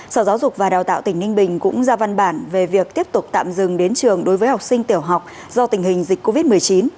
sở giáo dục và đào tạo tỉnh ninh bình cũng ra văn bản về việc tiếp tục tạm dừng đến trường đối với học sinh tiểu học do tình hình dịch covid một mươi chín